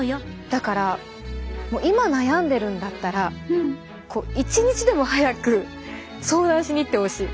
だからもう今悩んでるんだったら一日でも早く相談しに行ってほしい。